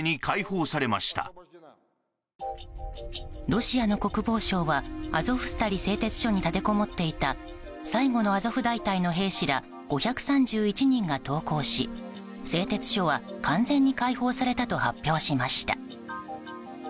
ロシアの国防省はアゾフスタリ製鉄所に立てこもっていた最後のアゾフ大隊の兵士ら５３１人が投降し製鉄所は完全に解放されたと発表しました。